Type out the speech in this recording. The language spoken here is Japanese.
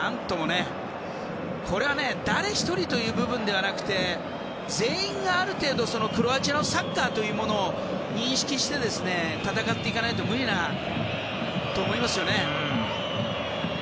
これは誰一人という部分ではなくて全員がある程度クロアチアのサッカーというのを認識して戦っていかないと無理だと思いますよね。